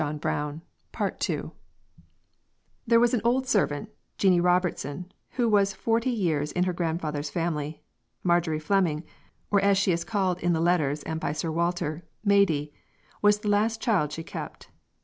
There was an old servant, Jeanie Robertson, who was forty years in her grandfather's family. Marjorie Fleming or as she is called in the letters and by Sir Walter, Maidie was the last child she kept.